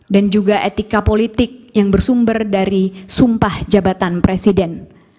dan juga etika politik yang bersumber dari sumpah jabatan presiden